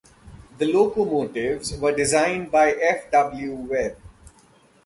The locomotives were designed by F. W. Webb.